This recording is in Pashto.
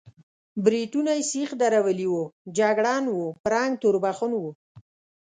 برېتونه یې سېخ درولي وو، جګړن و، په رنګ تور بخون و.